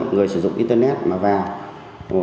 người sử dụng internet mà vào